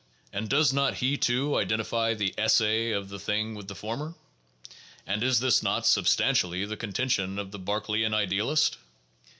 And does not he too identify the esse of the thing with the former? And is not this substantially the contention of the Berkeleian idealist